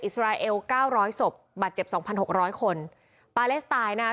สราเอลเก้าร้อยศพบาดเจ็บสองพันหกร้อยคนปาเลสไตล์นะคะ